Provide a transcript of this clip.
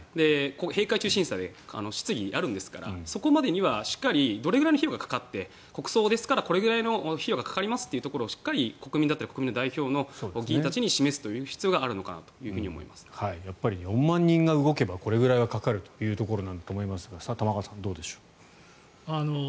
閉会中審査で質疑があるんですからそこまでにはしっかりどれぐらいの費用がかかって国葬ですからこれぐらいの費用がかかりますというところをしっかり国民だったり国民の代表である議員たちに示す必要が４万人が動けばこれくらいはかかるというところなんだと思いますが玉川さん、どうでしょう。